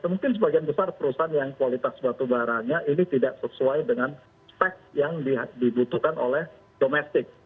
mungkin sebagian besar perusahaan yang kualitas batu baranya ini tidak sesuai dengan spek yang dibutuhkan oleh domestik